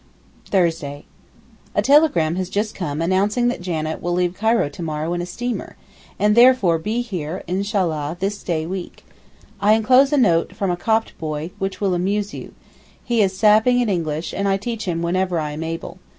Thursday.—A telegram has just come announcing that Janet will leave Cairo to morrow in a steamer, and therefore be here, Inshallah, this day week. I enclose a note from a Copt boy, which will amuse you. He is 'sapping' at English, and I teach him whenever I am able.